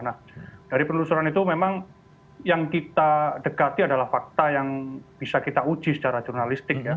nah dari penelusuran itu memang yang kita dekati adalah fakta yang bisa kita uji secara jurnalistik ya